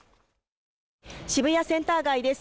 渋谷センター街です